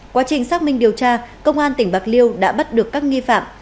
quá trình xác minh điều tra công an tỉnh bạc liêu đã bắt được các nghi phạm